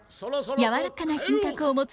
やわらかな品格を持つ